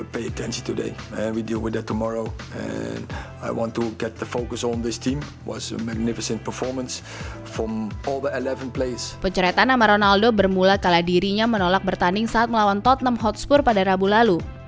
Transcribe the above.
penceretan nama ronaldo bermula kala dirinya menolak bertanding saat melawan tottenham hotspur pada rabu lalu